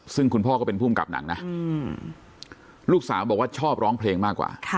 ซึ่งคุณพ่อก็เป็นภูมิกับหนังนะลูกสาวบอกว่าชอบร้องเพลงมากกว่า